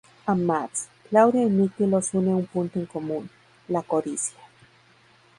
A Mads, Claudia y Nicky los une un punto en común: la codicia.